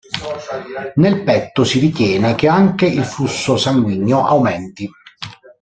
Nel petto si ritiene che anche il flusso sanguigno aumenti.